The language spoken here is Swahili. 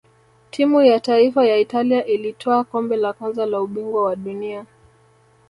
timu ya taifa ya italia ilitwaa kombe la kwanza la ubingwa wa dunia